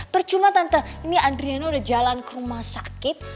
percuma tante ini andriana udah jalan ke rumah sakit